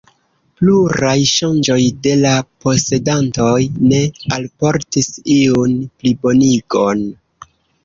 Pluraj ŝanĝoj de la posedantoj ne alportis iun plibonigon.